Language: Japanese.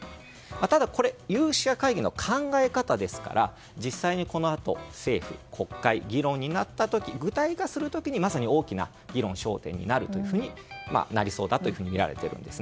ただ、これは有識者会議の考え方ですから実際に、このあと政府、国会で議論になった時具体化する時まさに大きな議論、焦点になりそうだとみられているんです。